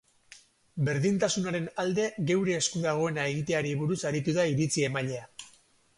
Berdintasunaren alde geure esku dagoena egiteari buruz aritu da iritzi-emailea.